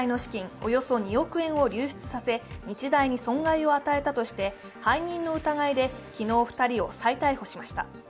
およそ２億円を流出させ、日大に損害を与えたとして、背任の疑いが昨日、２人を再逮捕しました。